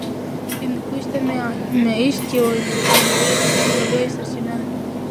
هندوکش د معیشت یوه لویه سرچینه ده.